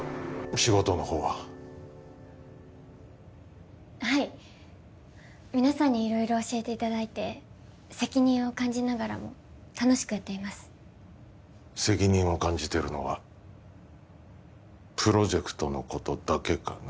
仕事の方ははい皆さんに色々教えていただいて責任を感じながらも楽しくやっています責任を感じてるのはプロジェクトのことだけかな？